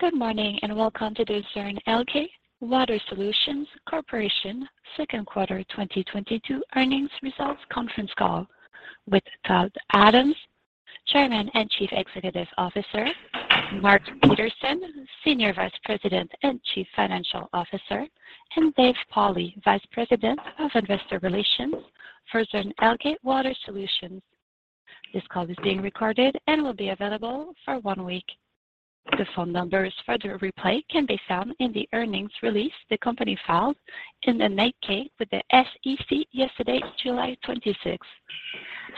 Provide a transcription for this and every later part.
Good morning, and welcome to the Zurn Elkay Water Solutions Corporation Second Quarter 2022 Earnings Results Conference Call with Todd Adams, Chairman and Chief Executive Officer, Mark Peterson, Senior Vice President and Chief Financial Officer, and Dave Pauli, Vice President of Investor Relations for Zurn Elkay Water Solutions. This call is being recorded and will be available for one week. The phone numbers for the replay can be found in the earnings release the company filed in the 8-K with the SEC yesterday, July 26.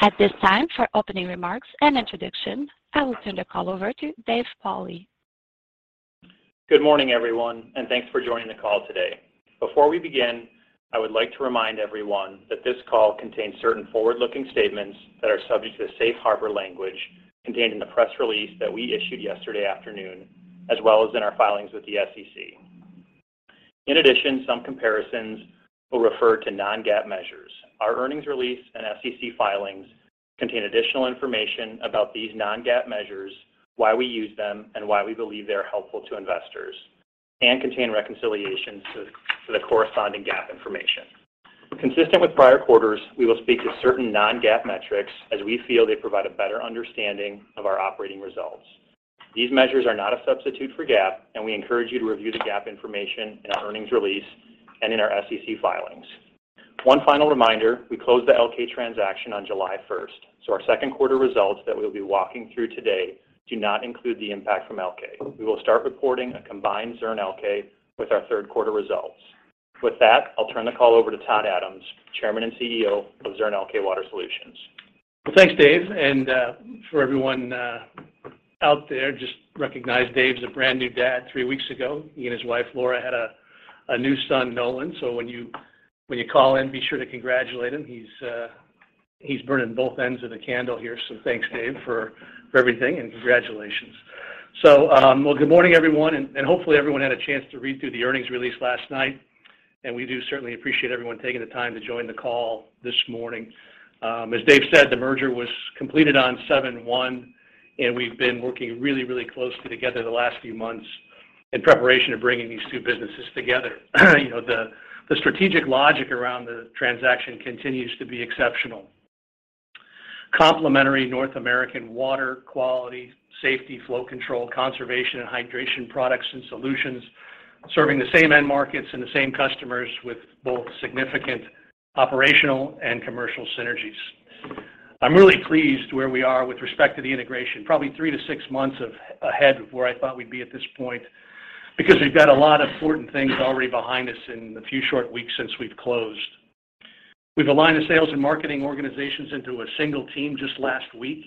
At this time, for opening remarks and introduction, I will turn the call over to Dave Pauli. Good morning, everyone, and thanks for joining the call today. Before we begin, I would like to remind everyone that this call contains certain forward-looking statements that are subject to the safe harbor language contained in the press release that we issued yesterday afternoon, as well as in our filings with the SEC. In addition, some comparisons will refer to non-GAAP measures. Our earnings release and SEC filings contain additional information about these non-GAAP measures, why we use them, and why we believe they are helpful to investors, and contain reconciliations to the corresponding GAAP information. Consistent with prior quarters, we will speak to certain non-GAAP metrics as we feel they provide a better understanding of our operating results. These measures are not a substitute for GAAP, and we encourage you to review the GAAP information in our earnings release and in our SEC filings. One final reminder, we closed the Elkay transaction on July first, so our second quarter results that we'll be walking through today do not include the impact from Elkay. We will start reporting a combined Zurn Elkay with our third quarter results. With that, I'll turn the call over to Todd Adams, Chairman and CEO of Zurn Elkay Water Solutions. Well, thanks, Dave. For everyone out there, just recognize Dave's a brand new dad three weeks ago. He and his wife, Laura, had a new son, Nolan. When you call in, be sure to congratulate him. He's burning both ends of the candle here, so thanks Dave for everything and congratulations. So well, good morning, everyone, and hopefully everyone had a chance to read through the earnings release last night, and we do certainly appreciate everyone taking the time to join the call this morning. As Dave said, the merger was completed on July 1, and we've been working really closely together the last few months in preparation of bringing these two businesses together. You know, the strategic logic around the transaction continues to be exceptional. Complementary North American water quality, safety, flow control, conservation, and hydration products and solutions, serving the same end markets and the same customers with both significant operational and commercial synergies. I'm really pleased where we are with respect to the integration, probably three-six months ahead of where I thought we'd be at this point because we've got a lot of important things already behind us in the few short weeks since we've closed. We've aligned the sales and marketing organizations into a single team just last week,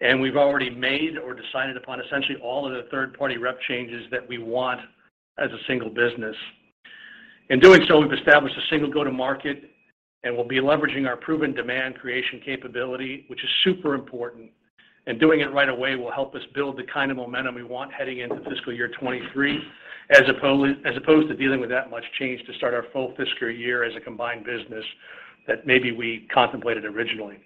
and we've already made or decided upon essentially all of the third-party rep changes that we want as a single business. In doing so, we've established a single go-to-market, and we'll be leveraging our proven demand creation capability, which is super important. Doing it right away will help us build the kind of momentum we want heading into fiscal year 2023, as opposed to dealing with that much change to start our full fiscal year as a combined business that maybe we contemplated originally.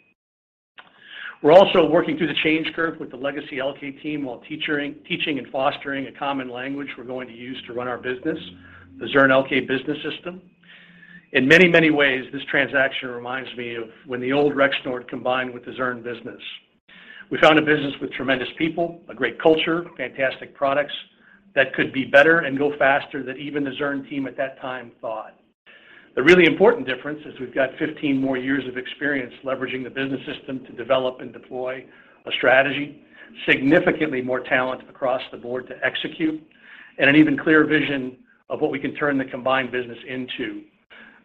We're also working through the change curve with the legacy Elkay team while teaching and fostering a common language we're going to use to run our business, the Zurn Elkay Business System. In many, many ways, this transaction reminds me of when the old Rexnord combined with the Zurn business. We found a business with tremendous people, a great culture, fantastic products that could be better and go faster than even the Zurn team at that time thought. The really important difference is we've got 15 more years of experience leveraging the business system to develop and deploy a strategy, significantly more talent across the board to execute, and an even clearer vision of what we can turn the combined business into.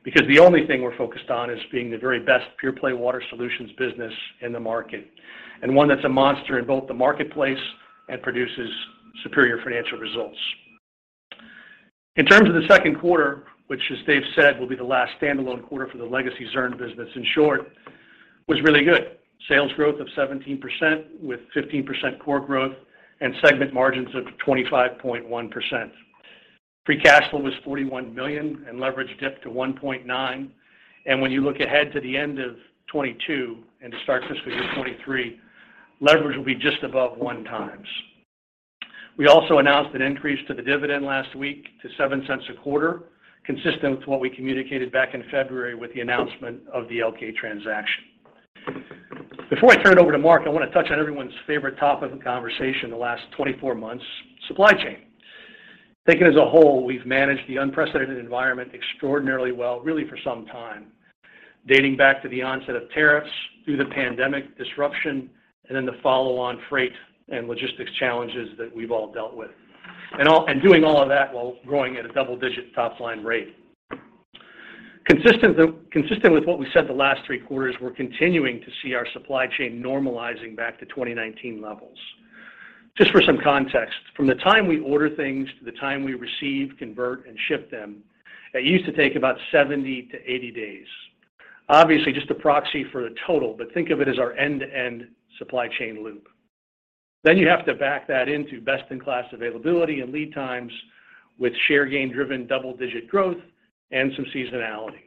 Because the only thing we're focused on is being the very best pure play water solutions business in the market, and one that's a monster in both the marketplace and produces superior financial results. In terms of the second quarter, which as Dave said, will be the last standalone quarter for the legacy Zurn business, in short, was really good. Sales growth of 17% with 15% core growth and segment margins of 25.1%. Free cash flow was $41 million and leverage dipped to 1.9. When you look ahead to the end of 2022 and to start fiscal year 2023, leverage will be just above 1x. We also announced an increase to the dividend last week to $0.07 a quarter, consistent with what we communicated back in February with the announcement of the Elkay transaction. Before I turn it over to Mark, I wanna touch on everyone's favorite topic of conversation the last 24 months: supply chain. Taken as a whole, we've managed the unprecedented environment extraordinarily well, really for some time, dating back to the onset of tariffs, through the pandemic disruption, and then the follow-on freight and logistics challenges that we've all dealt with. And doing all of that while growing at a double-digit top-line rate. Consistent with what we said the last three quarters, we're continuing to see our supply chain normalizing back to 2019 levels. Just for some context, from the time we order things to the time we receive, convert, and ship them, it used to take about 70-80 days. Obviously, just a proxy for the total, but think of it as our end-to-end supply chain loop. You have to back that into best-in-class availability and lead times with share gain-driven double-digit growth and some seasonality.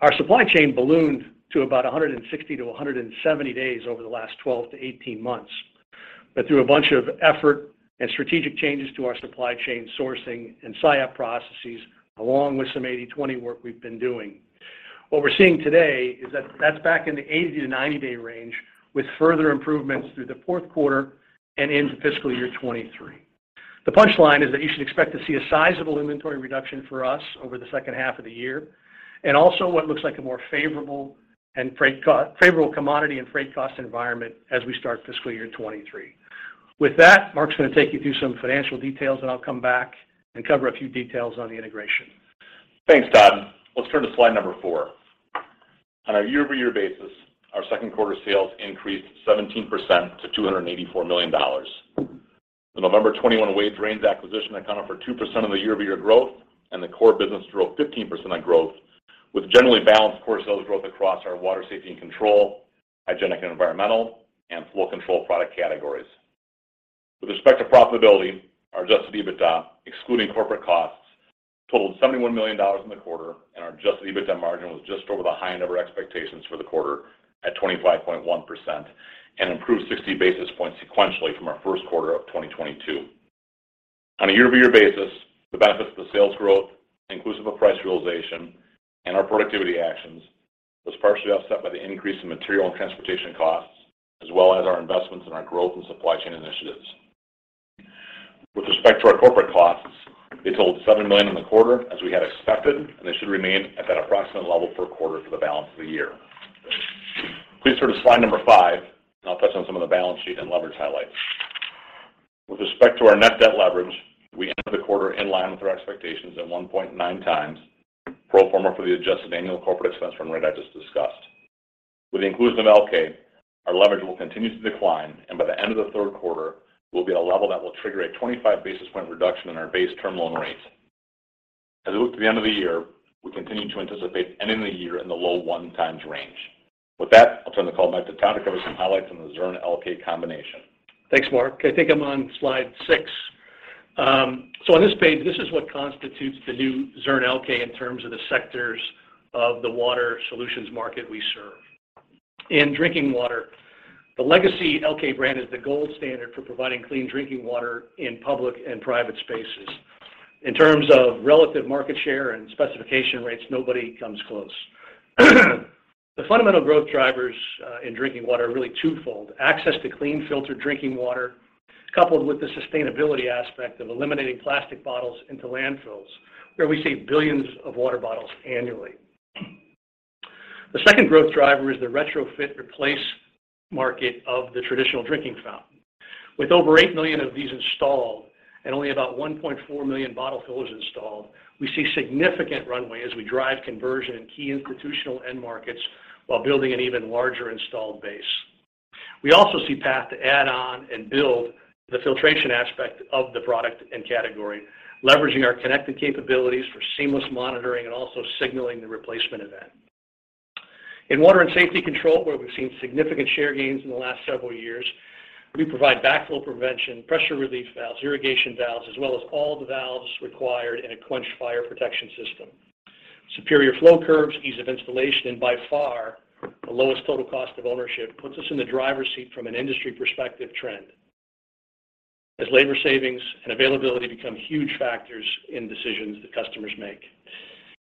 Our supply chain ballooned to about 160-170 days over the last 12-18 months. Through a bunch of effort and strategic changes to our supply chain sourcing and SIOP processes, along with some 80/20 work we've been doing, what we're seeing today is that that's back in the 80-90 day range with further improvements through the fourth quarter and into fiscal year 2023. The punchline is that you should expect to see a sizable inventory reduction for us over the second half of the year, and also what looks like a more favorable commodity and freight cost environment as we start fiscal year 2023. With that, Mark's gonna take you through some financial details, and I'll come back and cover a few details on the integration. Thanks, Todd. Let's turn to slide number four. On our year-over-year basis, our second quarter sales increased 17% to $284 million. The November 2021 Wade Drains acquisition accounted for 2% of the year-over-year growth, and the core business drove 15% on growth, with generally balanced core sales growth across our Water Safety & Control, Hygienic & Environmental, and flow control product categories. With respect to profitability, our adjusted EBITDA, excluding corporate costs, totaled $71 million in the quarter, and our adjusted EBITDA margin was just over the high end of our expectations for the quarter at 25.1% and improved 60 basis points sequentially from our first quarter of 2022. On a year-over-year basis, the benefits of the sales growth, inclusive of price realization and our productivity actions, was partially offset by the increase in material and transportation costs, as well as our investments in our growth and supply chain initiatives. With respect to our corporate costs, they totaled $7 million in the quarter as we had expected, and they should remain at that approximate level per quarter for the balance of the year. Please turn to slide number five, and I'll touch on some of the balance sheet and leverage highlights. With respect to our net debt leverage, we ended the quarter in line with our expectations at 1.9x pro forma for the adjusted annual corporate expense run rate I just discussed. With the inclusion of Elkay, our leverage will continue to decline, and by the end of the third quarter, will be at a level that will trigger a 25 basis point reduction in our base term loan rates. As we look to the end of the year, we continue to anticipate ending the year in the low 1x range. With that, I'll turn the call back to Todd to cover some highlights on the Zurn Elkay combination. Thanks, Mark. I think I'm on slide six. On this page, this is what constitutes the new Zurn Elkay in terms of the sectors of the water solutions market we serve. In drinking water, the legacy Elkay brand is the gold standard for providing clean drinking water in public and private spaces. In terms of relative market share and specification rates, nobody comes close. The fundamental growth drivers in drinking water are really twofold, access to clean filtered drinking water, coupled with the sustainability aspect of eliminating plastic bottles into landfills, where we save billions of water bottles annually. The second growth driver is the retrofit/replace market of the traditional drinking fountain. With over 8 million of these installed and only about 1.4 million bottle fillers installed, we see significant runway as we drive conversion in key institutional end markets while building an even larger installed base. We also see path to add on and build the filtration aspect of the product and category, leveraging our connected capabilities for seamless monitoring and also signaling the replacement event. In Water Safety & Control, where we've seen significant share gains in the last several years, we provide backflow prevention, pressure relief valves, irrigation valves, as well as all the valves required in a quench fire protection system. Superior flow curves, ease of installation, and by far the lowest total cost of ownership puts us in the driver's seat from an industry perspective trend as labor savings and availability become huge factors in decisions that customers make.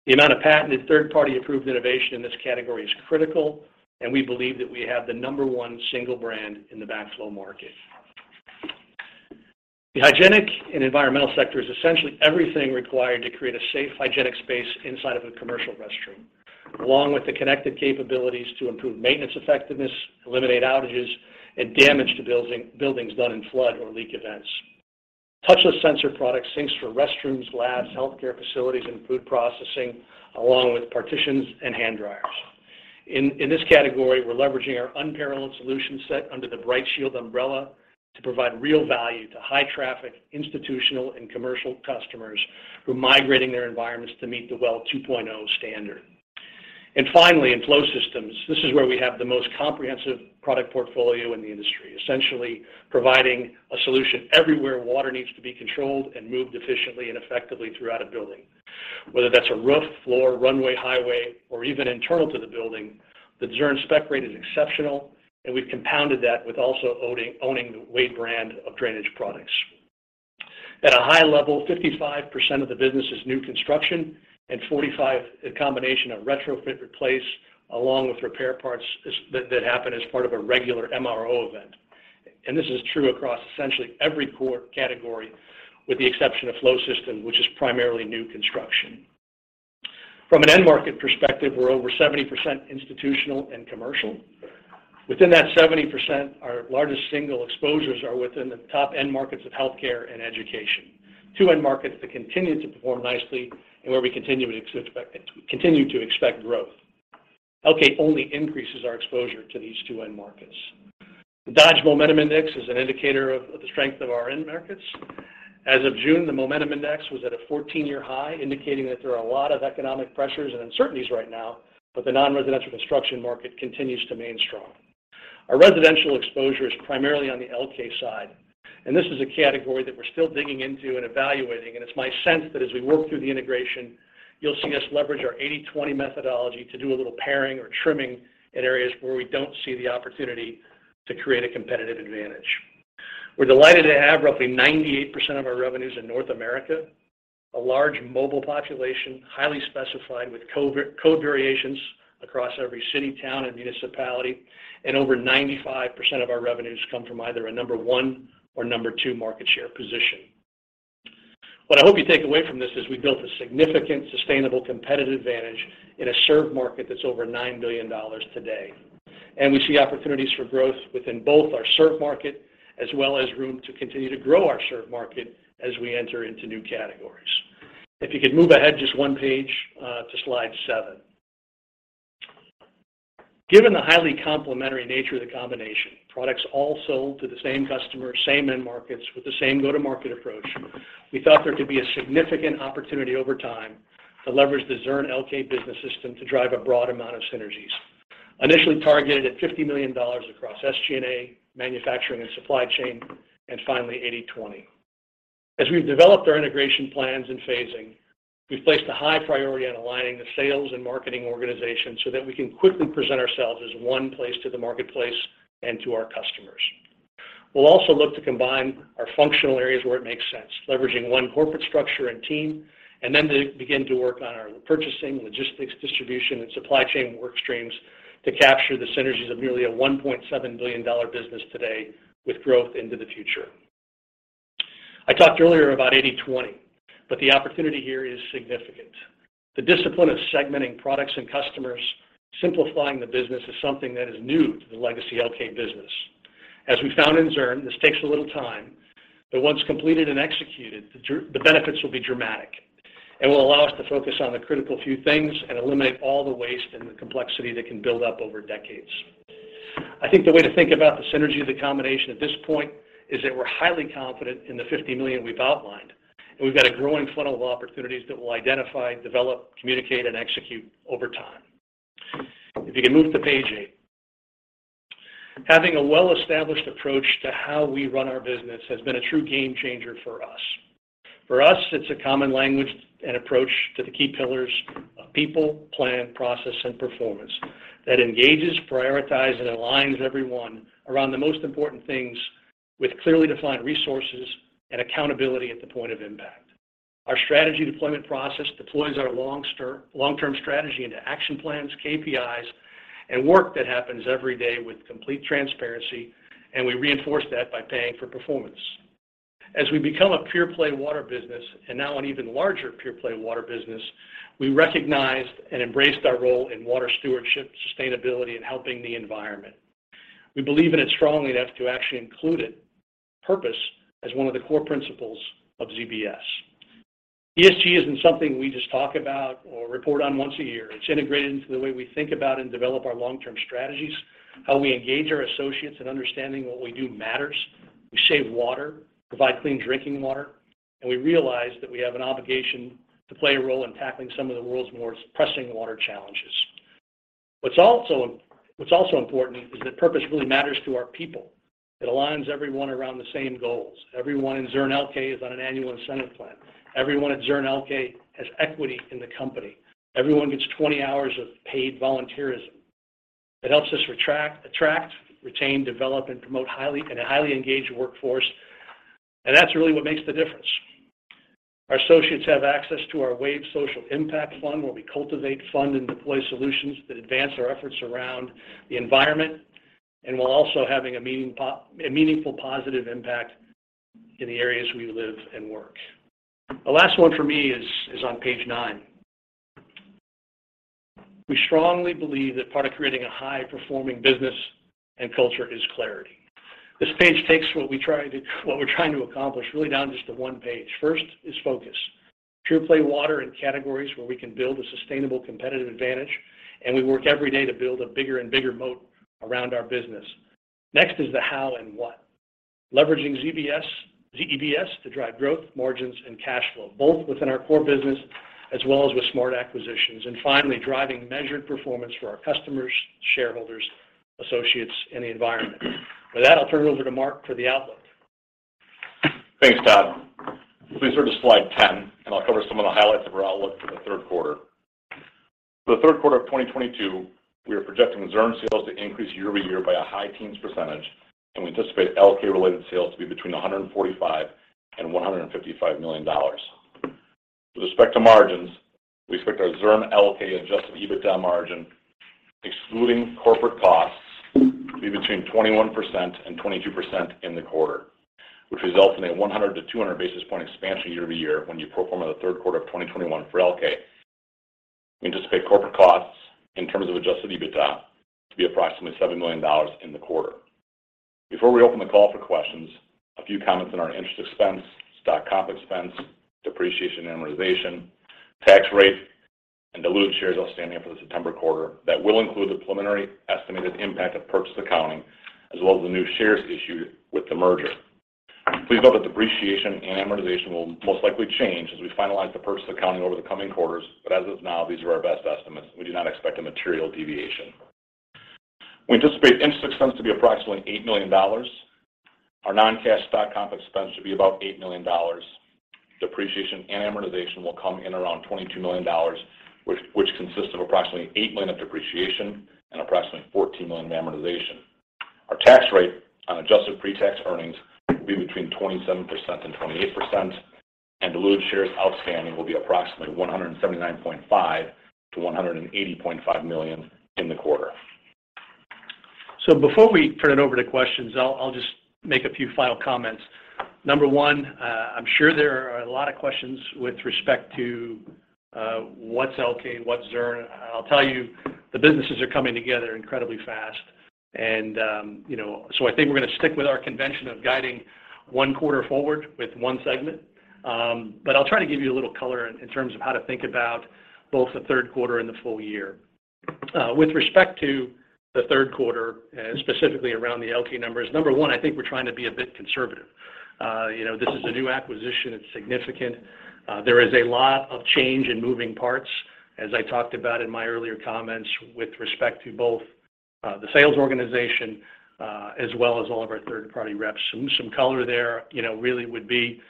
The amount of patented third-party approved innovation in this category is critical, and we believe that we have the number one single brand in the backflow market. The hygienic and environmental sector is essentially everything required to create a safe, hygienic space inside of a commercial restroom, along with the connected capabilities to improve maintenance effectiveness, eliminate outages and damage to buildings done in flood or leak events. Touchless sensor products, sinks for restrooms, labs, healthcare facilities, and food processing, along with partitions and hand dryers. In this category, we're leveraging our unparalleled solution set under the BrightShield umbrella to provide real value to high-traffic institutional and commercial customers who are migrating their environments to meet the WELL v2 standard. Finally, in flow systems, this is where we have the most comprehensive product portfolio in the industry, essentially providing a solution everywhere water needs to be controlled and moved efficiently and effectively throughout a building. Whether that's a roof, floor, runway, highway, or even internal to the building, the Zurn spec rate is exceptional, and we've compounded that with also owning the Wade brand of drainage products. At a high level, 55% of the business is new construction and 45% a combination of retrofit/replace along with repair parts as that happen as part of a regular MRO event. This is true across essentially every core category, with the exception of flow system, which is primarily new construction. From an end market perspective, we're over 70% institutional and commercial. Within that 70%, our largest single exposures are within the top end markets of healthcare and education, two end markets that continue to perform nicely and where we continue to expect growth. Elkay only increases our exposure to these two end markets. The Dodge Momentum Index is an indicator of the strength of our end markets. As of June, the Momentum Index was at a 14-year high, indicating that there are a lot of economic pressures and uncertainties right now, but the non-residential construction market continues to remain strong. Our residential exposure is primarily on the LK side, and this is a category that we're still digging into and evaluating. It's my sense that as we work through the integration, you'll see us leverage our 80/20 methodology to do a little paring or trimming in areas where we don't see the opportunity to create a competitive advantage. We're delighted to have roughly 98% of our revenues in North America, a large mobile population, highly specified with code variations across every city, town, and municipality. Over 95% of our revenues come from either a number one or number two market share position. What I hope you take away from this is we built a significant, sustainable competitive advantage in a served market that's over $9 billion today. We see opportunities for growth within both our served market as well as room to continue to grow our served market as we enter into new categories. If you could move ahead just one page to slide seven. Given the highly complementary nature of the combination, products all sold to the same customer, same end markets with the same go-to-market approach, we thought there could be a significant opportunity over time to leverage the Zurn Elkay Business System to drive a broad amount of synergies. Initially targeted at $50 million across SG&A, manufacturing, and supply chain, and finally, 80/20. As we've developed our integration plans and phasing, we've placed a high priority on aligning the sales and marketing organization so that we can quickly present ourselves as one place to the marketplace and to our customers. We'll also look to combine our functional areas where it makes sense, leveraging one corporate structure and team, and then to begin to work on our purchasing, logistics, distribution, and supply chain work streams to capture the synergies of nearly a $1.7 billion business today with growth into the future. I talked earlier about 80/20, but the opportunity here is significant. The discipline of segmenting products and customers, simplifying the business is something that is new to the legacy Elkay business. As we found in Zurn, this takes a little time, but once completed and executed, the benefits will be dramatic and will allow us to focus on the critical few things and eliminate all the waste and the complexity that can build up over decades. I think the way to think about the synergy of the combination at this point is that we're highly confident in the $50 million we've outlined, and we've got a growing funnel of opportunities that we'll identify, develop, communicate, and execute over time. If you could move to page eight. Having a well-established approach to how we run our business has been a true game changer for us. For us, it's a common language and approach to the key pillars of people, plan, process, and performance that engages, prioritize, and aligns everyone around the most important things with clearly defined resources and accountability at the point of impact. Our strategy deployment process deploys our long-term strategy into action plans, KPIs, and work that happens every day with complete transparency, and we reinforce that by paying for performance. As we become a pure-play water business and now an even larger pure-play water business, we recognized and embraced our role in water stewardship, sustainability, and helping the environment. We believe in it strongly enough to actually include it, purpose, as one of the core principles of ZEBS. ESG isn't something we just talk about or report on once a year. It's integrated into the way we think about and develop our long-term strategies, how we engage our associates in understanding what we do matters. We save water, provide clean drinking water, and we realize that we have an obligation to play a role in tackling some of the world's more pressing water challenges. What's also important is that purpose really matters to our people. It aligns everyone around the same goals. Everyone in Zurn Elkay is on an annual incentive plan. Everyone at Zurn Elkay has equity in the company. Everyone gets 20 hours of paid volunteerism. It helps us attract, retain, develop, and promote highly engaged workforce, and that's really what makes the difference. Our associates have access to our WAVES Social Impact Fund, where we cultivate, fund, and deploy solutions that advance our efforts around the environment and while also having a meaningful, positive impact in the areas we live and work. The last one for me is on page nine. We strongly believe that part of creating a high-performing business and culture is clarity. This page takes what we're trying to accomplish really down just to one page. First is focus. Pure play water in categories where we can build a sustainable competitive advantage, and we work every day to build a bigger and bigger moat around our business. Next is the how and what. Leveraging ZEBS to drive growth, margins, and cash flow, both within our core business as well as with smart acquisitions. Finally, driving measured performance for our customers, shareholders, associates, and the environment. With that, I'll turn it over to Mark for the outlook. Thanks, Todd. Please turn to slide 10, and I'll cover some of the highlights of our outlook for the third quarter. For the third quarter of 2022, we are projecting Zurn sales to increase year-over-year by a high teens percentage, and we anticipate Elkay-related sales to be between $145 million and $155 million. With respect to margins, we expect our Zurn Elkay adjusted EBITDA margin, excluding corporate costs, to be between 21% and 22% in the quarter, which results in a 100-200 basis point expansion year-over-year when you pro forma the third quarter of 2021 for Elkay. We anticipate corporate costs in terms of adjusted EBITDA to be approximately $7 million in the quarter. Before we open the call for questions, a few comments on our interest expense, stock comp expense, depreciation and amortization, tax rate, and diluted shares outstanding for the September quarter that will include the preliminary estimated impact of purchase accounting as well as the new shares issued with the merger. Please note that depreciation and amortization will most likely change as we finalize the purchase accounting over the coming quarters, but as of now, these are our best estimates. We do not expect a material deviation. We anticipate interest expense to be approximately $8 million. Our non-cash stock comp expense should be about $8 million. Depreciation and amortization will come in around $22 million, which consists of approximately $8 million of depreciation and approximately $14 million of amortization. Our tax rate on adjusted pre-tax earnings will be between 27% and 28%. Diluted shares outstanding will be approximately $179.5 million- $180.5 million in the quarter. Before we turn it over to questions, I'll just make a few final comments. Number one, I'm sure there are a lot of questions with respect to, what's Elkay, what's Zurn. I'll tell you, the businesses are coming together incredibly fast and, you know. I think we're gonna stick with our convention of guiding one quarter forward with one segment. I'll try to give you a little color in terms of how to think about both the third quarter and the full year. With respect to the third quarter, specifically around the Elkay numbers. Number one, I think we're trying to be a bit conservative. You know, this is a new acquisition. It's significant. There is a lot of change in moving parts, as I talked about in my earlier comments with respect to both, the sales organization, as well as all of our third-party reps. Some color there, you know, really would be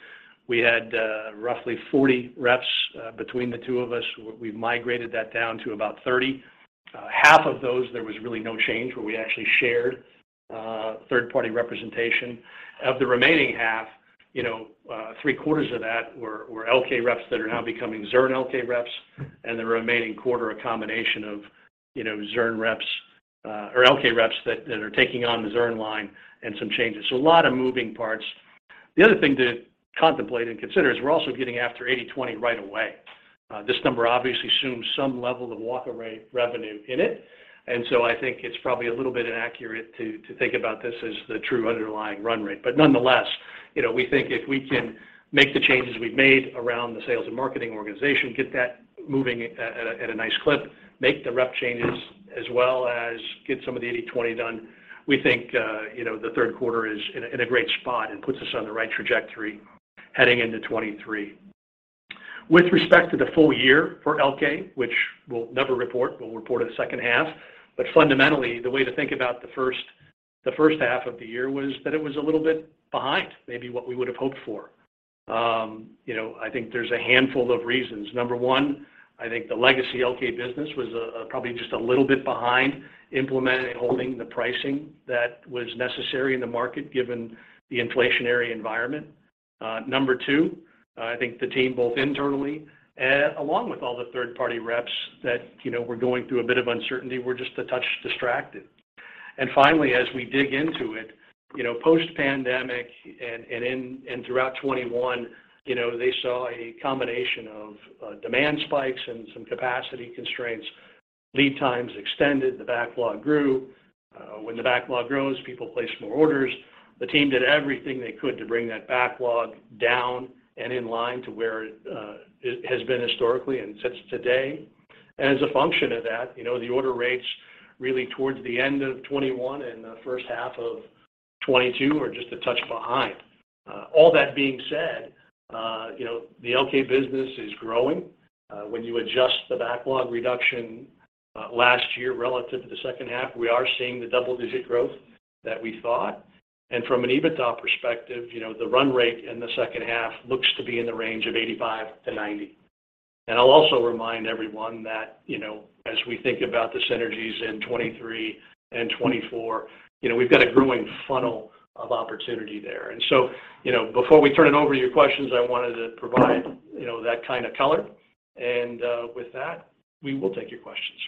we had roughly 40 reps between the two of us. We've migrated that down to about 30. Half of those there was really no change, where we actually shared third-party representation. Of the remaining half, you know, three-quarters of that were Elkay reps that are now becoming Zurn Elkay reps, and the remaining quarter a combination of, you know, Zurn reps or Elkay reps that are taking on the Zurn line and some changes. A lot of moving parts. The other thing to contemplate and consider is we're also getting after 80/20 right away. This number obviously assumes some level of walkaway revenue in it, and so I think it's probably a little bit inaccurate to think about this as the true underlying run rate. Nonetheless, you know, we think if we can make the changes we've made around the sales and marketing organization, get that moving at a nice clip, make the rep changes as well as get some of the 80/20 done, we think, you know, the third quarter is in a great spot and puts us on the right trajectory heading into 2023. With respect to the full year for Elkay, which we'll never report, we'll report at the second half. Fundamentally, the way to think about the first half of the year was that it was a little bit behind maybe what we would have hoped for. You know, I think there's a handful of reasons. Number one I think the legacy Elkay business was probably just a little bit behind implementing and holding the pricing that was necessary in the market given the inflationary environment. Number two, I think the team, both internally, along with all the third-party reps that, you know, were going through a bit of uncertainty, were just a touch distracted. And finally, as we dig into it, you know, post-pandemic and throughout 2021, you know, they saw a combination of demand spikes and some capacity constraints. Lead times extended, the backlog grew. When the backlog grows, people place more orders. The team did everything they could to bring that backlog down and in line to where it has been historically and sits today. As a function of that, you know, the order rates really towards the end of 2021 and the first half of 2022 are just a touch behind. All that being said, you know, the Elkay business is growing. When you adjust the backlog reduction, last year relative to the second half, we are seeing the double-digit growth that we thought. From an EBITDA perspective, you know, the run rate in the second half looks to be in the range of 85-90. I'll also remind everyone that, you know, as we think about the synergies in 2023 and 2024, you know, we've got a growing funnel of opportunity there. So you know, before we turn it over to your questions, I wanted to provide, you know, that kind of color. With that, we will take your questions.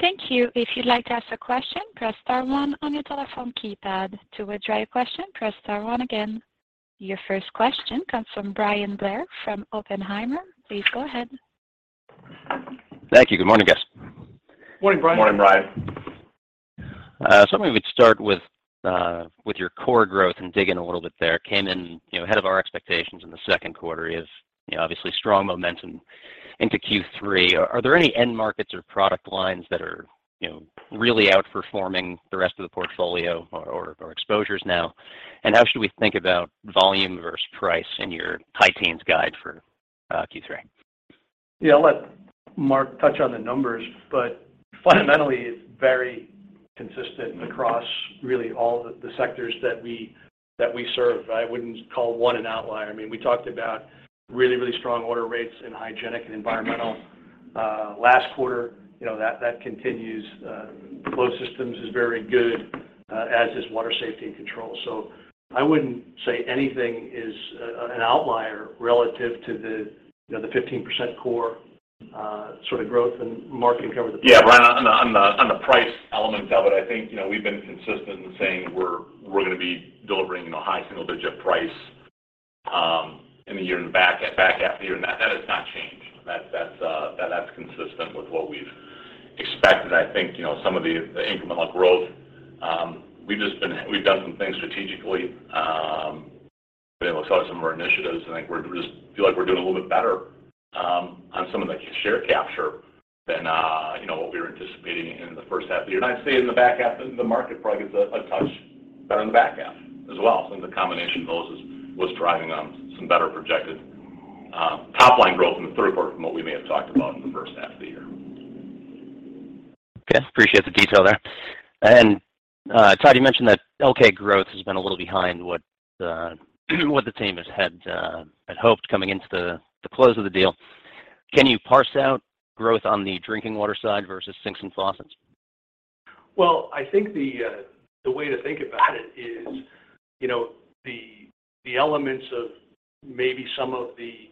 Thank you. If you'd like to ask a question, press star one on your telephone keypad. To withdraw your question, press star one again. Your first question comes from Bryan Blair from Oppenheimer. Please go ahead. Thank you. Good morning, guys. Morning, Bryan. Morning, Bryan. I'm gonna start with your core growth and dig in a little bit there. Came in, you know, ahead of our expectations in the second quarter. You have, you know, obviously strong momentum into Q3. Are there any end markets or product lines that are, you know, really outperforming the rest of the portfolio or exposures now? And how should we think about volume versus price in your high teens guide for Q3? Yeah, I'll let Mark touch on the numbers, but fundamentally it's very consistent across really all the sectors that we serve. I wouldn't call one an outlier. I mean, we talked about really strong order rates in Hygienic & Environmental last quarter. You know, that continues. Flow systems is very good, as is Water Safety & Control. So I wouldn't say anything is an outlier relative to the 15% core sort of growth. Mark, you can cover the- Yeah. Bryan, on the price element of it, I think, you know, we've been consistent in saying we're gonna be delivering, you know, high single-digit price in the year and back half of the year. That has not changed. That's consistent with what we've expected. I think, you know, some of the incremental growth, we've done some things strategically. But it looks like some of our initiatives, I think we're just feel like we're doing a little bit better on some of the share capture than you know what we were anticipating in the first half of the year. I'd say in the back half, the market probably gives a touch better in the back half as well. I think the combination of those was driving some better projected top line growth in the third quarter from what we may have talked about in the first half of the year. Okay. Appreciate the detail there. Todd, you mentioned that Elkay growth has been a little behind what the team has had hoped coming into the close of the deal. Can you parse out growth on the drinking water side versus sinks and faucets? Well, I think the way to think about it is, you know, the elements of maybe some of the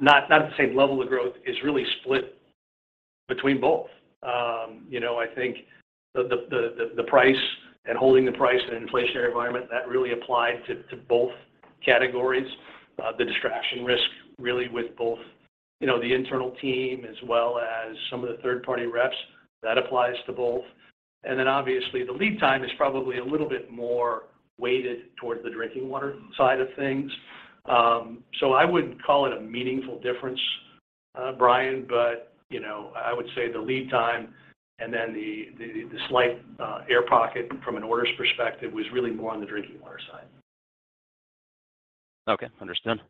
not at the same level of growth is really split between both. You know, I think the price and holding the price in an inflationary environment, that really applied to both categories. The distraction risk really with both, you know, the internal team as well as some of the third-party reps, that applies to both. And obviously the lead time is probably a little bit more weighted towards the drinking water side of things. So I wouldn't call it a meaningful difference, Bryan, but you know, I would say the lead time and then the slight air pocket from an orders perspective was really more on the drinking water side. Okay. Understood.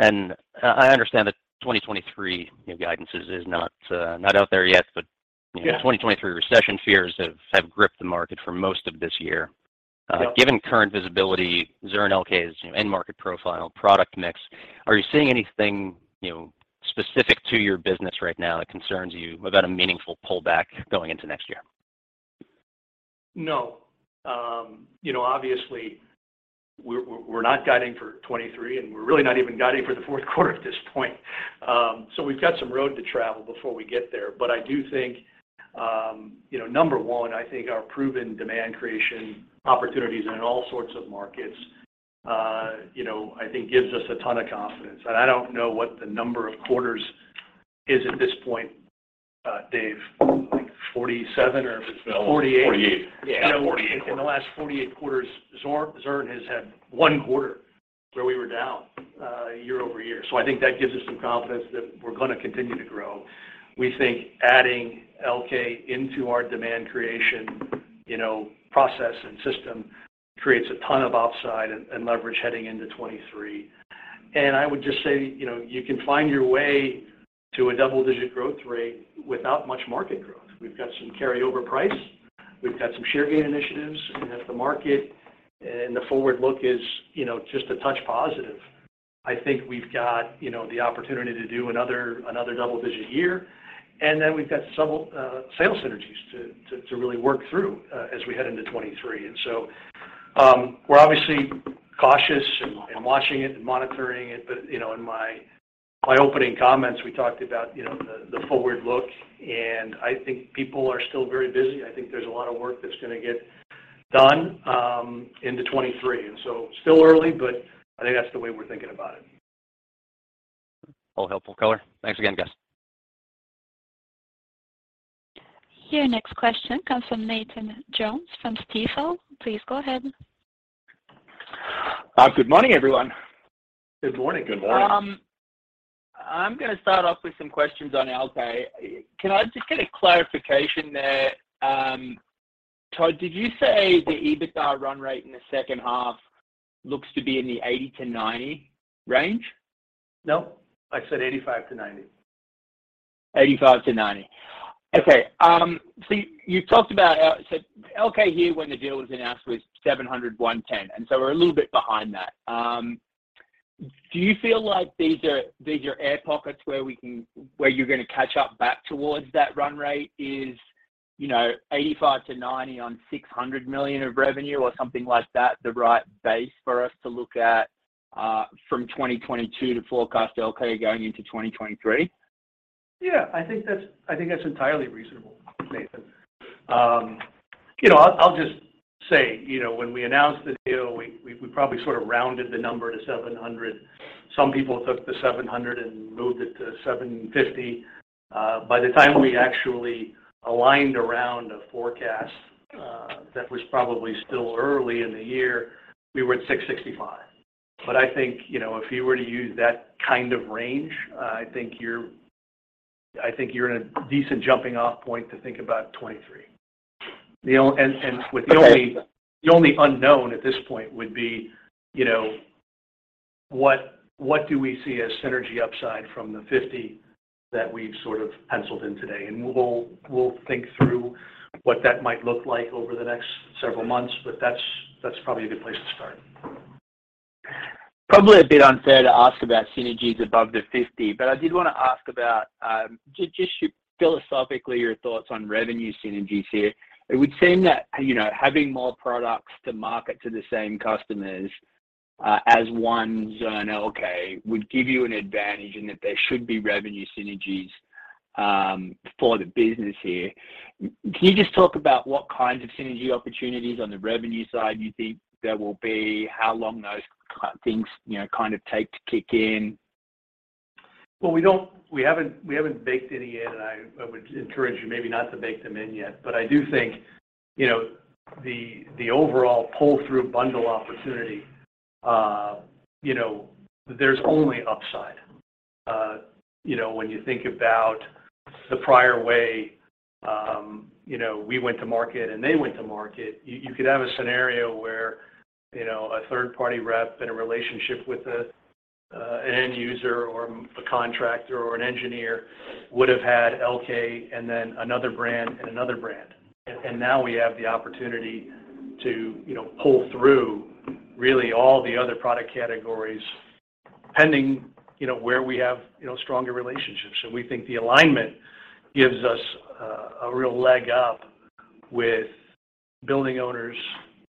I understand that 2023, you know, guidance is not out there yet, but Yeah You know, 2023 recession fears have gripped the market for most of this year. Given current visibility, Zurn Elkay's, you know, end market profile, product mix, are you seeing anything, you know, specific to your business right now that concerns you about a meaningful pullback going into next year? No, you know, obviously we're not guiding for 2023, and we're really not even guiding for the fourth quarter at this point. We've got some road to travel before we get there. But I do think, you know, number one, I think our proven demand creation opportunities in all sorts of markets, you know, I think gives us a ton of confidence. I don't know what the number of quarters is at this point, Dave, like 47 or 48. 48. Yeah. It's got 48 quarters. In the last 48 quarters, Zurn has had one quarter where we were down year-over-year. I think that gives us some confidence that we're gonna continue to grow. We think adding Elkay into our demand creation, you know, process and system creates a ton of upside and leverage heading into 2023. And I would just say, you know, you can find your way to a double-digit growth rate without much market growth. We've got some carryover price. We've got some share gain initiatives, and if the market and the forward look is, you know, just a touch positive, I think we've got, you know, the opportunity to do another double-digit year. And we've got several sales synergies to really work through as we head into 2023. We're obviously cautious and watching it and monitoring it, but you know, in my opening comments, we talked about you know, the forward look and I think people are still very busy. I think there's a lot of work that's gonna get done into 2023. Still early, but I think that's the way we're thinking about it. All helpful color. Thanks again, guys. Your next question comes from Nathan Jones from Stifel. Please go ahead. Good morning, everyone. Good morning. Good morning. I'm gonna start off with some questions on Elkay. Can I just get a clarification there, Todd, did you say the EBITDA run rate in the second half looks to be in the $80-$90 range? No, I said 85-90. $85-$90. Okay. Elkay here when the deal was announced was $710, and we're a little bit behind that. Do you feel like these are air pockets where you're gonna catch up back towards that run rate? Is, you know, $85-$90 on $600 million of revenue or something like that, the right base for us to look at from 2022 to forecast Elkay going into 2023? Yeah, I think that's entirely reasonable, Nathan. You know, I'll just say, you know, when we announced the deal, we probably sort of rounded the number to $700. Some people took the $700 and moved it to $750. By the time we actually aligned around a forecast, that was probably still early in the year, we were at $665. But I think, you know, if you were to use that kind of range, I think you're in a decent jumping off point to think about 2023. With the only. The only unknown at this point would be, you know, what do we see as synergy upside from the $50 that we've sort of penciled in today? We'll think through what that might look like over the next several months, but that's probably a good place to start. Probably a bit unfair to ask about synergies above the 50, but I did wanna ask about just philosophically your thoughts on revenue synergies here. It would seem that, you know, having more products to market to the same customers as one Zurn Elkay would give you an advantage and that there should be revenue synergies for the business here. Can you just talk about what kinds of synergy opportunities on the revenue side you think there will be? How long those things, you know, kind of take to kick in? We haven't baked any yet, and I would encourage you maybe not to bake them in yet. But I do think, you know, the overall pull-through bundle opportunity, you know, there's only upside. You know, when you think about the prior way, you know, we went to market and they went to market, you could have a scenario where, you know, a third-party rep in a relationship with an end user or a contractor or an engineer would have had Elkay and then another brand and another brand. Now we have the opportunity to, you know, pull through really all the other product categories depending, you know, where we have stronger relationships. So we think the alignment gives us a real leg up with building owners,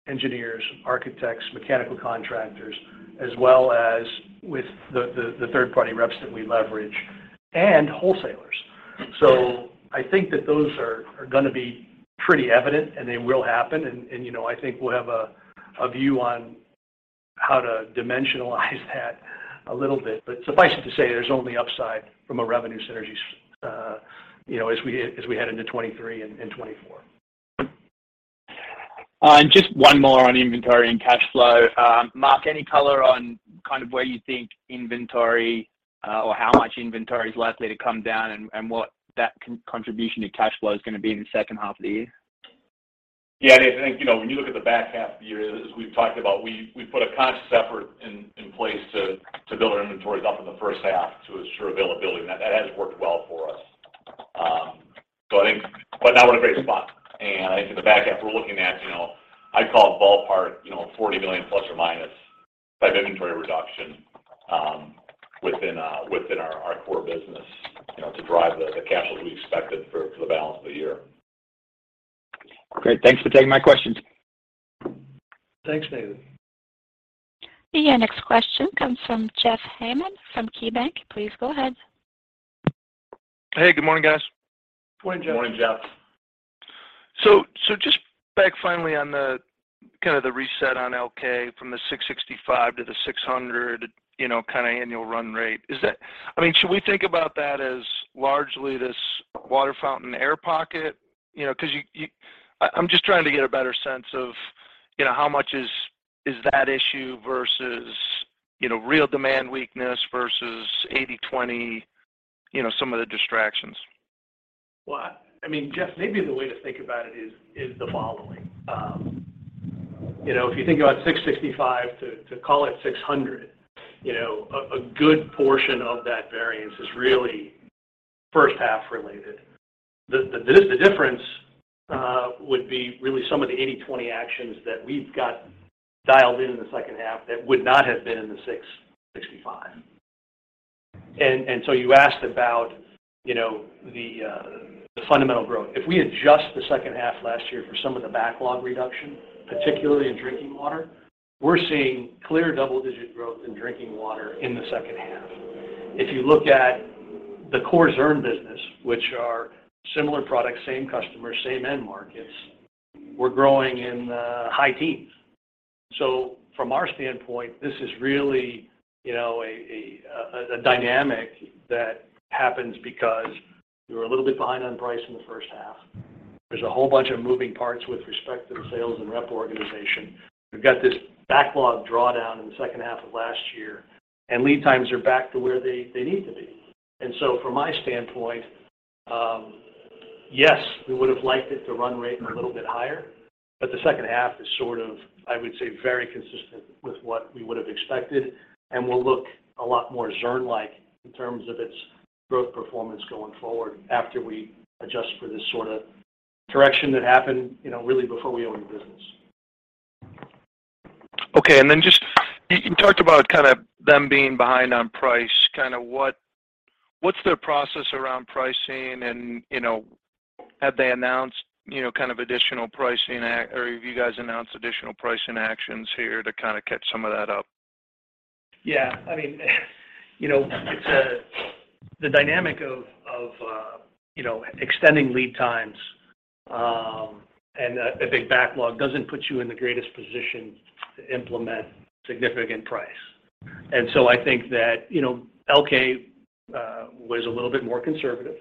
engineers, architects, mechanical contractors, as well as with the third-party reps that we leverage and wholesalers. So I think that those are gonna be pretty evident, and they will happen. You know, I think we'll have a view on how to dimensionalize that a little bit. Suffice it to say, there's only upside from a revenue synergies, you know, as we head into 2023 and 2024. Just one more on inventory and cash flow. Mark, any color on kind of where you think inventory or how much inventory is likely to come down and what that contribution to cash flow is gonna be in the second half of the year? Yeah. I think, you know, when you look at the back half of the year, as we've talked about, we put a conscious effort in place to build our inventories up in the first half to ensure availability, and that has worked well for us. Now we're in a great spot, and I think in the back half we're looking at, you know, I'd call it ballpark, you know, $40 million ± type inventory reduction within our core business, you know, to drive the cash flow we expected for the balance of the year. Great. Thanks for taking my questions. Thanks, Nathan. Your next question comes from Jeff Hammond from KeyBanc. Please go ahead. Hey, good morning, guys. Morning, Jeff. Morning, Jeff. Just back finally on the kind of the reset on Elkay from the $665 to the $600, you know, kind of annual run rate. Is that, I mean, should we think about that as largely this water fountain air pocket? You know, 'cause you, I'm just trying to get a better sense of, you know, how much is that issue versus, you know, real demand weakness versus 80/20, you know, some of the distractions. Well, I mean, Jeff, maybe the way to think about it is the following. You know, if you think about $665 to call it $600, you know, a good portion of that variance is really first half related. The difference would be really some of the 80/20 actions that we've got dialed in in the second half that would not have been in the $665. And so you asked about, you know, the fundamental growth. If we adjust the second half last year for some of the backlog reduction, particularly in drinking water, we're seeing clear double-digit growth in drinking water in the second half. If you look at the core Zurn business, which are similar products, same customers, same end markets, we're growing in the high teens. So from our standpoint, this is really, you know, a dynamic that happens because we were a little bit behind on price in the first half. There's a whole bunch of moving parts with respect to the sales and rep organization. We've got this backlog drawdown in the second half of last year, and lead times are back to where they need to be. And from my standpoint, yes, we would've liked it to run rate a little bit higher, but the second half is sort of, I would say, very consistent with what we would've expected and will look a lot more Zurn-like in terms of its growth performance going forward after we adjust for this sort of correction that happened, you know, really before we owned the business. Okay. You talked about them being behind on price. What's their process around pricing, and you know, have they announced you know kind of additional pricing or have you guys announced additional pricing actions here to kind of catch some of that up? Yeah. I mean, you know, it's the dynamic of extending lead times and a big backlog doesn't put you in the greatest position to implement significant price. I think that, you know, Elkay was a little bit more conservative,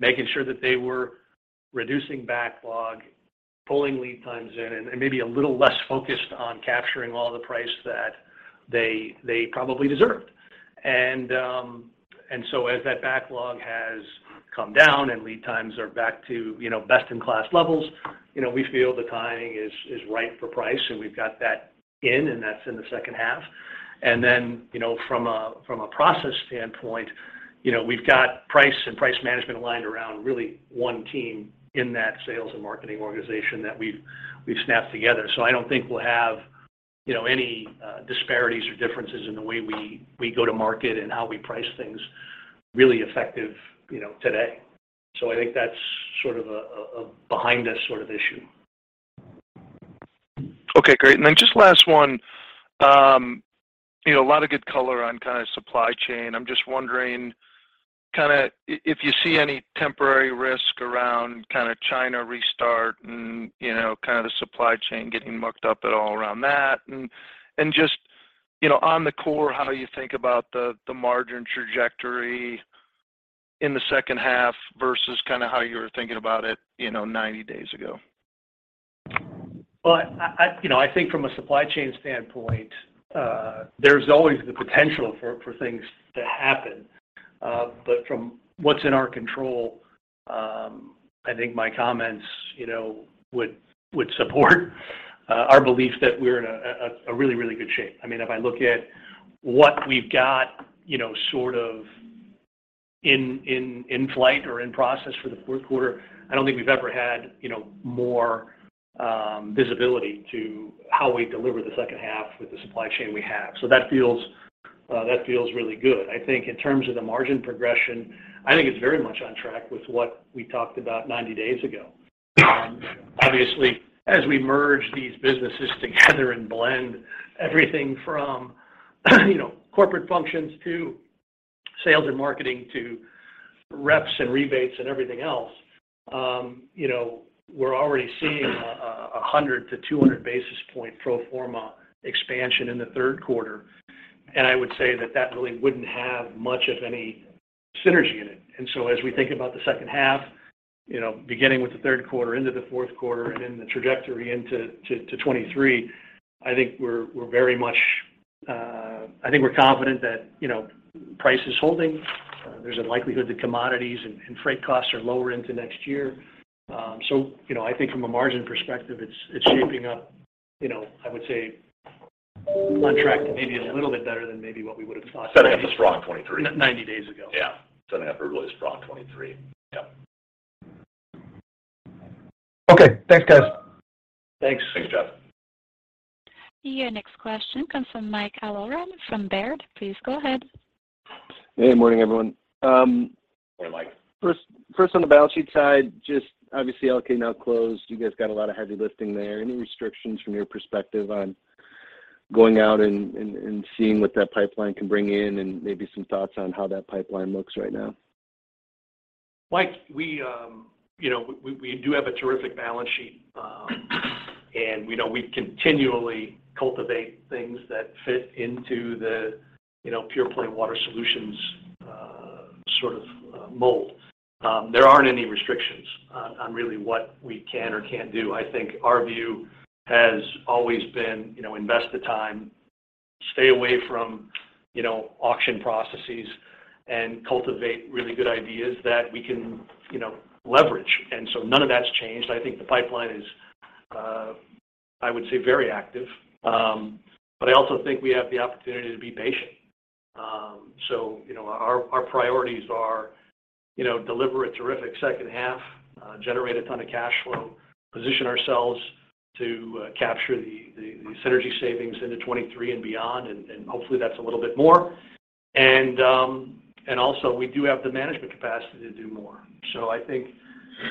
making sure that they were reducing backlog, pulling lead times in, and maybe a little less focused on capturing all the price that they probably deserved. As that backlog has come down and lead times are back to, you know, best-in-class levels, you know, we feel the timing is right for price, and we've got that in, and that's in the second half. And then, you know, from a process standpoint, you know, we've got price and price management aligned around really one team in that sales and marketing organization that we've snapped together. So I don't think we'll have, you know, any disparities or differences in the way we go to market and how we price things really effective, you know, today. So I think that's sort of a behind us sort of issue. Okay, great. Just last one. You know, a lot of good color on kind of supply chain. I'm just wondering kind of, if you see any temporary risk around kind of China restart and, you know, kind of the supply chain getting mucked up at all around that. And just, you know, on the core, how you think about the margin trajectory in the second half versus kind of how you were thinking about it, you know, 90 days ago. You know, I think from a supply chain standpoint, there's always the potential for things to happen. from what's in our control, I think my comments, you know, would support our belief that we're in a really good shape. I mean, if I look at what we've got, you know, sort of in flight or in process for the fourth quarter, I don't think we've ever had, you know, more visibility to how we deliver the second half with the supply chain we have. that feels really good. I think in terms of the margin progression, I think it's very much on track with what we talked about 90 days ago. Obviously, as we merge these businesses together and blend everything from, you know, corporate functions to sales and marketing to reps and rebates and everything else, you know, we're already seeing 100-200 basis point pro forma expansion in the third quarter. I would say that really wouldn't have much of any synergy in it. As we think about the second half, you know, beginning with the third quarter into the fourth quarter and then the trajectory into 2023, I think we're very much confident that, you know, price is holding. There's a likelihood that commodities and freight costs are lower into next year. So you know, I think from a margin perspective, it's shaping up, you know. I would say on track to maybe a little bit better than maybe what we would've thought maybe. Setting up a strong 2023 90 days ago. Yeah. Setting up a really strong 2023. Yeah. Okay. Thanks, guys. Thanks. Thanks, Jeff. Your next question comes from Mike Halloran from Baird. Please go ahead. Hey, morning everyone. Hey, Mike. First on the balance sheet side, just obviously Elkay now closed. You guys got a lot of heavy lifting there. Any restrictions from your perspective on going out and seeing what that pipeline can bring in and maybe some thoughts on how that pipeline looks right now? Mike, you know, we do have a terrific balance sheet. You know, we continually cultivate things that fit into the, you know, pure-play water solutions, sort of, mold. There aren't any restrictions on really what we can or can't do. I think our view has always been, you know, invest the time, stay away from, you know, auction processes and cultivate really good ideas that we can, you know, leverage. None of that's changed. I think the pipeline is, I would say very active. But I also think we have the opportunity to be patient. You know, our priorities are, you know, deliver a terrific second half, generate a ton of cash flow, position ourselves to capture the synergy savings into 2023 and beyond. Hopefully that's a little bit more. Also we do have the management capacity to do more. So I think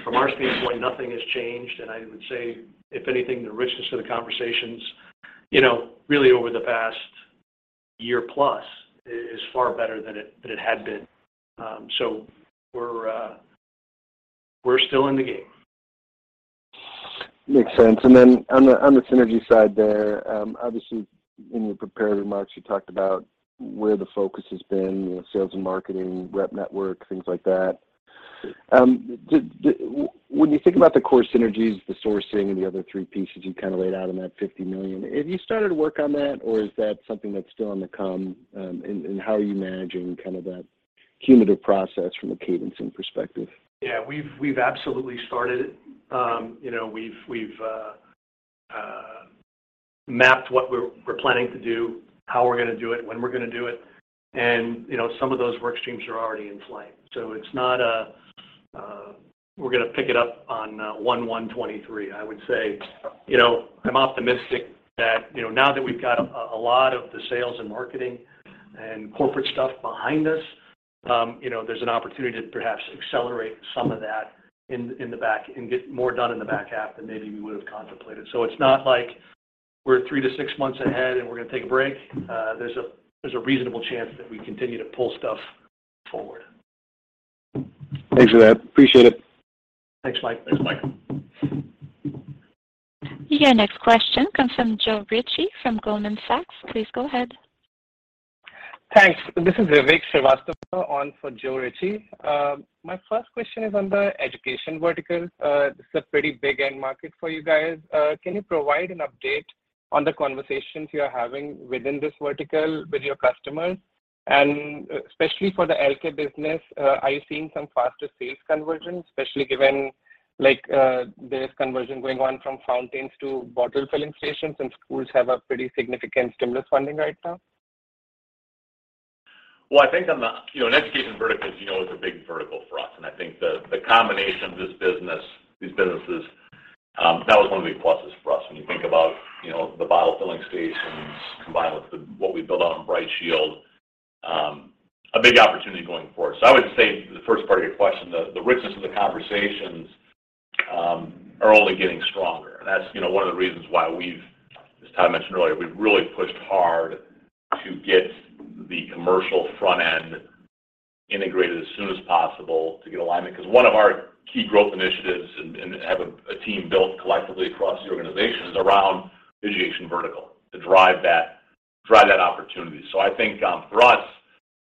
from our standpoint, nothing has changed. I would say if anything, the richness of the conversations, you know, really over the past year plus is far better than it had been. So we're still in the game. Makes sense. On the synergy side there, obviously in your prepared remarks you talked about where the focus has been, you know, sales and marketing, rep network, things like that. When you think about the core synergies, the sourcing and the other three pieces you kind of laid out in that $50 million, have you started work on that or is that something that's still on the come? How are you managing kind of that cumulative process from a cadencing perspective? Yeah. We've absolutely started it. You know, we've mapped what we're planning to do, how we're gonna do it, when we're gonna do it. And you know, some of those work streams are already in flight. It's not we're gonna pick it up on 1/1/2023. I would say, you know, I'm optimistic that, you know, now that we've got a lot of the sales and marketing and corporate stuff behind us, you know, there's an opportunity to perhaps accelerate some of that in the back and get more done in the back half than maybe we would've contemplated. It's not like we're three-six months ahead and we're gonna take a break. There's a reasonable chance that we continue to pull stuff forward. Thanks for that. Appreciate it. Thanks, Mike. Thanks, Mike. Your next question comes from Joe Ritchie from Goldman Sachs. Please go ahead. Thanks. This is Vivek Srivastava on for Joe Ritchie. My first question is on the education vertical. This is a pretty big end market for you guys. Can you provide an update on the conversations you're having within this vertical with your customers? And especially for the Elkay business, are you seeing some faster sales conversions, especially given like there's conversion going on from fountains to bottle filling stations and schools have a pretty significant stimulus funding right now? Well, I think on the you know, an education vertical is, you know, is a big vertical for us. I think the combination of this business, these businesses, that was one of the big pluses for us when you think about, you know, the bottle filling stations combined with the what we built out in BrightShield, a big opportunity going forward. I would say the first part of your question, the richness of the conversations. They are only getting stronger. That's, you know, one of the reasons why we've, as Todd mentioned earlier, we've really pushed hard to get the commercial front end integrated as soon as possible to get alignment. 'Cause one of our key growth initiatives and have a team built collectively across the organization is around the education vertical to drive that opportunity. So I think, for us,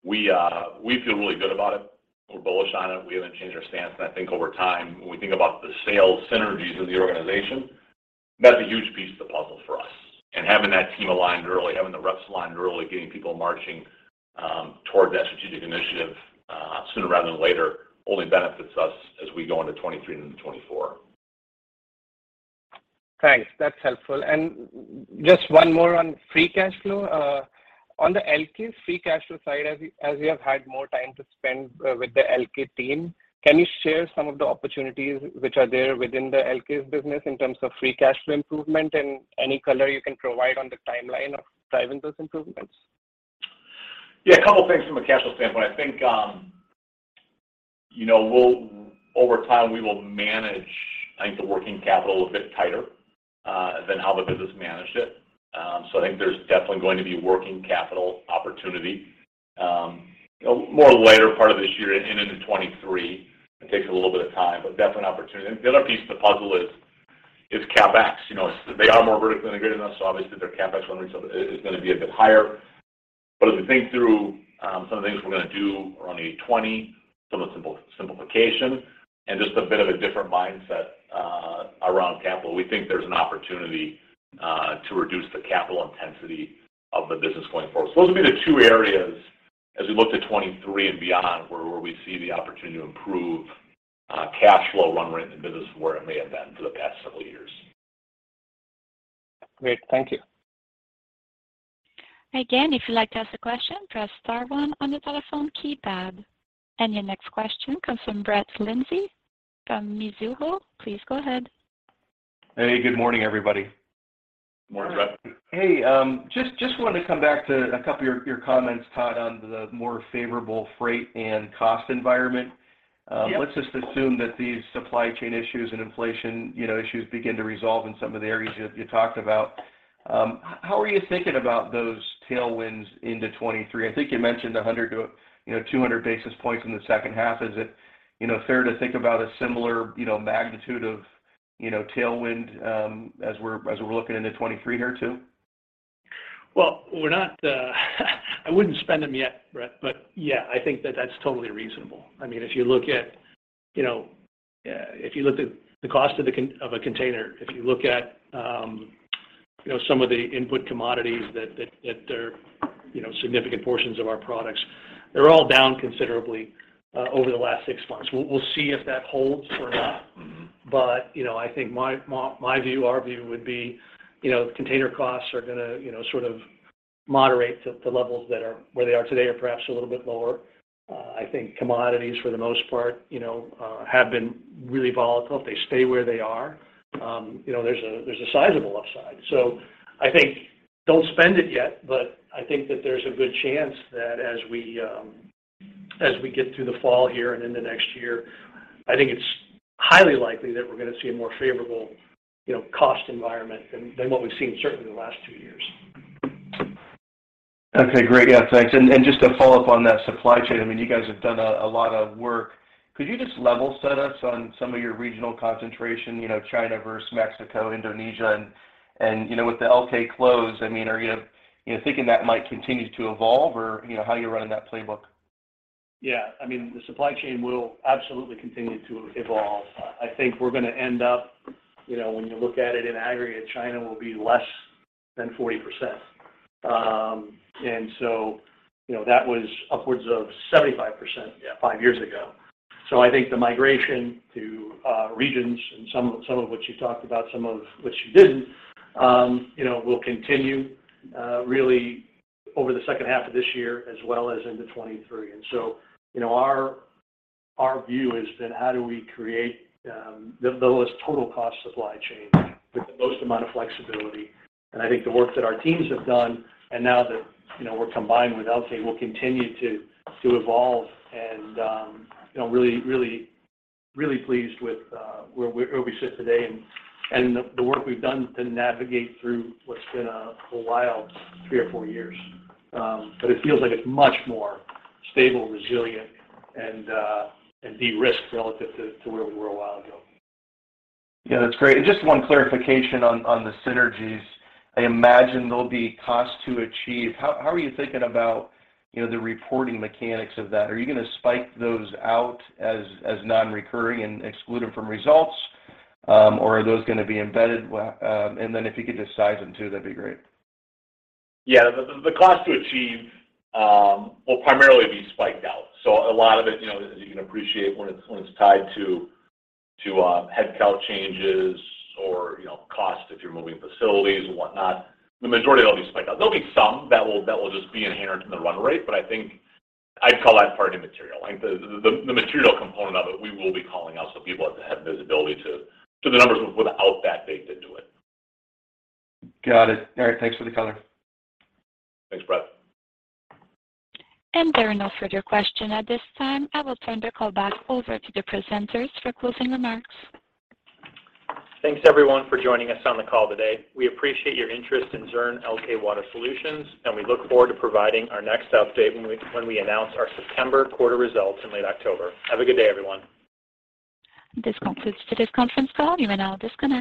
we feel really good about it. We're bullish on it. We haven't changed our stance. I think over time, when we think about the sales synergies of the organization, that's a huge piece of the puzzle for us. Having that team aligned early, having the reps aligned early, getting people marching toward that strategic initiative sooner rather than later only benefits us as we go into 2023 and into 2024. Thanks. That's helpful. Just one more on free cash flow. On the Elkay free cash flow side, as you have had more time to spend with the Elkay team, can you share some of the opportunities which are there within the Elkay business in terms of free cash flow improvement and any color you can provide on the timeline of driving those improvements? Yeah. A couple things from a cash flow standpoint. I think, you know, over time, we will manage, I think, the working capital a bit tighter than how the business managed it. I think there's definitely going to be working capital opportunity more the later part of this year and into 2023. It takes a little bit of time, but definitely an opportunity. The other piece of the puzzle is CapEx. You know, they are more vertically integrated than us, so obviously their CapEx run rate, so it is gonna be a bit higher. As we think through some of the things we're gonna do around 80/20, some of the simplification and just a bit of a different mindset around capital, we think there's an opportunity to reduce the capital intensity of the business going forward. Those would be the two areas as we look to 2023 and beyond, where we see the opportunity to improve cash flow run rate in the business where it may have been for the past several years. Great. Thank you. Again, if you'd like to ask a question, press star one on the telephone keypad. Your next question comes from Brett Linzey from Mizuho. Please go ahead. Hey, good morning, everybody. Morning, Brett. Hey, just wanted to come back to a couple of your comments, Todd, on the more favorable freight and cost environment. Yeah. Let's just assume that these supply chain issues and inflation, you know, issues begin to resolve in some of the areas you talked about. How are you thinking about those tailwinds into 2023? I think you mentioned 100-200 basis points in the second half. Is it, you know, fair to think about a similar, you know, magnitude of tailwind as we're looking into 2023 here too? Well, we're not, I wouldn't spend them yet, Brett, but yeah, I think that that's totally reasonable. I mean, if you look at the cost of a container, if you look at some of the input commodities that they're significant portions of our products, they're all down considerably over the last six months. We'll see if that holds or not. You know, I think my view, our view would be, you know, container costs are gonna, you know, sort of moderate to levels that are where they are today or perhaps a little bit lower. I think commodities for the most part, you know, have been really volatile. If they stay where they are, you know, there's a sizable upside. So I think don't spend it yet, but I think that there's a good chance that as we get through the fall here and in the next year, I think it's highly likely that we're gonna see a more favorable, you know, cost environment than what we've seen certainly in the last two years. Okay. Great. Yeah. Thanks. Just to follow up on that supply chain, I mean, you guys have done a lot of work. Could you just level set us on some of your regional concentration, you know, China versus Mexico, Indonesia, and you know, with the Elkay close, I mean, are you know, thinking that might continue to evolve or, you know, how are you running that playbook? I mean, the supply chain will absolutely continue to evolve. I think we're gonna end up, you know, when you look at it in aggregate, China will be less than 40%. And so you know, that was upwards of 75%, five years ago. I think the migration to regions and some of which you talked about, some of which you didn't, you know, will continue really over the second half of this year as well as into 2023. So you know, our view is then how do we create the lowest total cost supply chain with the most amount of flexibility? I think the work that our teams have done, and now that, you know, we're combined with Elkay, will continue to evolve and, you know, really pleased with where we sit today and the work we've done to navigate through what's been a wild three or four years. It feels like it's much more stable, resilient, and de-risked relative to where we were a while ago. Yeah. That's great. Just one clarification on the synergies. I imagine there'll be cost to achieve. How are you thinking about, you know, the reporting mechanics of that? Are you gonna call those out as non-recurring and exclude them from results? Or are those gonna be embedded? If you could just size them too, that'd be great. Yeah. The cost to achieve will primarily be spiked out. So a lot of it, you know, as you can appreciate when it's tied to headcount changes or, you know, cost if you're moving facilities and whatnot, the majority of it will be spiked out. There'll be some that will just be inherent in the run rate, but I think I'd call that part immaterial. Like, the material component of it, we will be calling out so people have visibility to the numbers without that baked into it. Got it. All right. Thanks for the color. Thanks, Brett. There are no further questions at this time. I will turn the call back over to the presenters for closing remarks. Thanks everyone for joining us on the call today. We appreciate your interest in Zurn Elkay Water Solutions, and we look forward to providing our next update when we announce our September quarter results in late October. Have a good day, everyone. This concludes today's conference call. You may now disconnect.